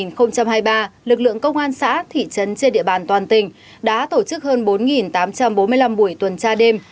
năm hai nghìn hai mươi ba lực lượng công an xã thị trấn trên địa bàn toàn tỉnh đã tổ chức hơn bốn tám trăm bốn mươi năm buổi tuần tra đêm